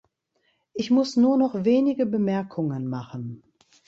Ich muss nur noch wenige Bemerkungen machen.